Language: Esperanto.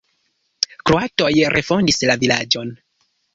Kroatoj refondis la vilaĝon.